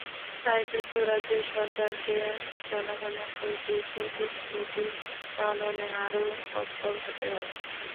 তাই যুক্তরাজ্যের সরকারকে জনগণের প্রতি প্রতিশ্রুতি পালনে আরও তৎপর হতে হবে।